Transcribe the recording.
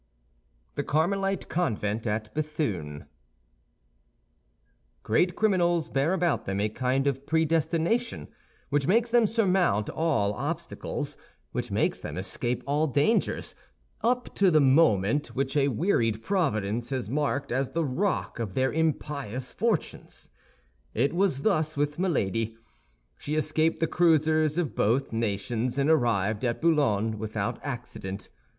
THE CARMELITE CONVENT AT BÉTHUNE Great criminals bear about them a kind of predestination which makes them surmount all obstacles, which makes them escape all dangers, up to the moment which a wearied Providence has marked as the rock of their impious fortunes. It was thus with Milady. She escaped the cruisers of both nations, and arrived at Boulogne without accident.